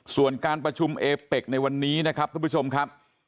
ส่วนการประชุมเอเป็กในวันนี้นะครับทุกผู้ชมครับ